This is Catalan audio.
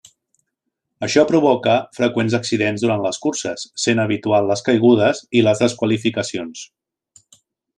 Això provoca freqüents accidents durant les curses, sent habitual les caigudes i les desqualificacions.